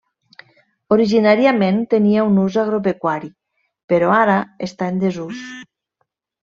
Originàriament tenia un ús agropecuari però ara està en desús.